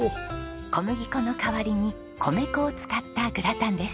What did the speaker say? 小麦粉の代わりに米粉を使ったグラタンです。